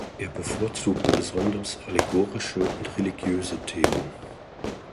Er bevorzugte besonders allegorische und religiöse Themen.